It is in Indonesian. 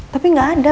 tapi gak ada